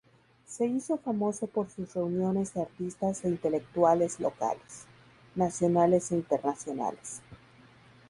Se hizo famoso por sus reuniones de artistas e intelectuales locales, nacionales e internacionales.